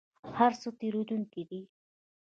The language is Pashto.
هر څه تیریدونکي دي